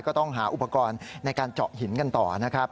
ก็ต้องหาอุปกรณ์ในการเจาะหินกันต่อนะครับ